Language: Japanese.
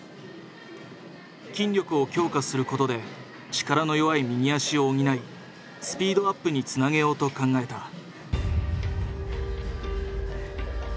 筋力を強化することで力の弱い右足を補いスピードアップにつなげようと考えた。